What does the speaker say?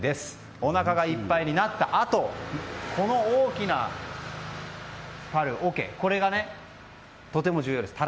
おなかがいっぱいになったあと大きなたらいがとても重要です。